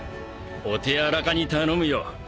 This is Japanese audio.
お手柔らかに頼むよ。